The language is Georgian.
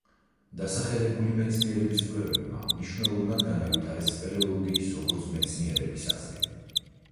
დასახელებული მეცნიერების კვლევებმა მნიშვნელოვნად განავითარეს სპელეოლოგიის როგორც მეცნიერების აზრი.